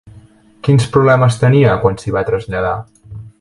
Quins problemes tenia quan s'hi va traslladar?